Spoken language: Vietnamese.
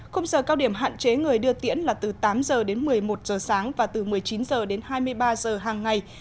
khung giờ cao điểm hạn chế người đưa tiễn là từ tám h đến một mươi một giờ sáng và từ một mươi chín h đến hai mươi ba h hàng ngày